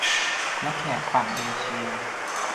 และแขกฝั่งเอเชีย